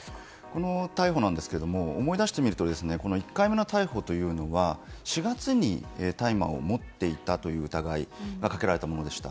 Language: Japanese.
この逮捕ですが思い出してみると１回目の逮捕というのは、４月に大麻を持っていたという疑いがかけられたものでした。